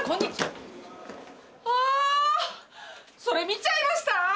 それ見ちゃいました？